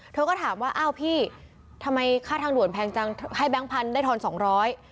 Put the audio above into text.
เธอก็ถามว่าอ้าวพี่ทำไมค่าทางด่วนแพงจังให้แบงค์พันธุ์ได้ทอนสองร้อย